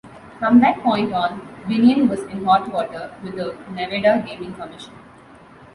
From that point on, Binion was in hot water with the Nevada Gaming Commission.